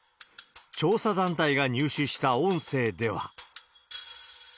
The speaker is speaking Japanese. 調査団体が入手した音声では。